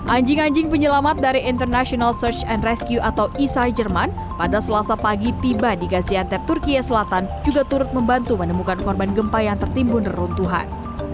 anjing anjing penyelamat dari international search and rescue atau isar jerman pada selasa pagi tiba di gaziantep turkiya selatan juga turut membantu menemukan korban gempa yang tertimbun neruntuhan